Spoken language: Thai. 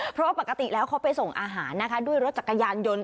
เพราะปกติแล้วเขาไปส่งอาหารนะคะด้วยรถจักรยานยนต์